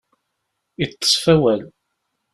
Iṭṭes ɣef wawal.